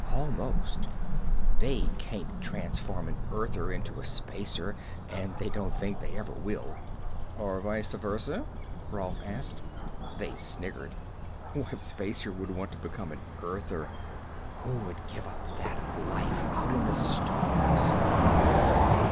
"Almost. They can't transform an Earther into a Spacer, and they don't think they ever will." "Or vice versa?" Rolf asked. They sniggered. "What Spacer would want to become an Earther? Who would give up that life, out in the stars?"